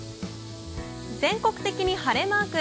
全国的に晴れマーク。